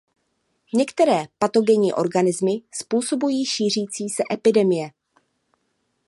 Některé patogenní organismy způsobují šířící se epidemie.